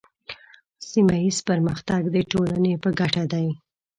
سیمه ایز پرمختګ د ټولنې په ګټه دی.